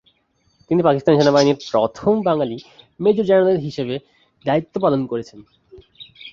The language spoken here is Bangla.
তিনি পাকিস্তান সেনাবাহিনীর প্রথম বাঙালি মেজর জেনারেল হিসেবে দায়িত্ব পালন করেছেন।